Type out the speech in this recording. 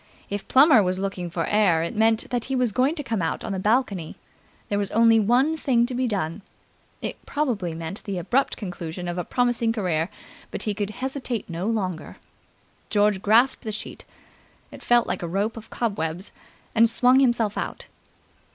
If Plummer was looking for air, it meant that he was going to come out on the balcony. There was only one thing to be done. It probably meant the abrupt conclusion of a promising career, but he could hesitate no longer. George grasped the sheet it felt like a rope of cobwebs and swung himself out.